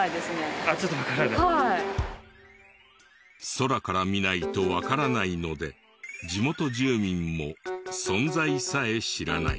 空から見ないとわからないので地元住民も存在さえ知らない。